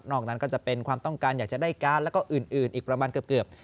นั้นก็จะเป็นความต้องการอยากจะได้การ์ดแล้วก็อื่นอีกประมาณเกือบ